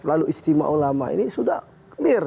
lalu istimewa ulama ini sudah clear